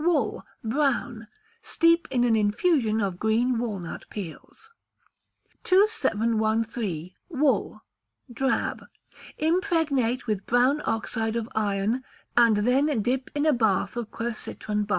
Wool (Brown). Steep in an infusion of green walnut peels. 2713. Wool (Drab). Impregnate with brown oxide of iron, and then dip in a bath of quercitron bark.